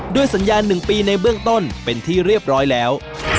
สัญญา๑ปีในเบื้องต้นเป็นที่เรียบร้อยแล้ว